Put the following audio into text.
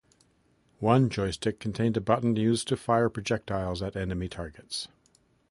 One joystick contained a button used to fire projectiles at enemy targets.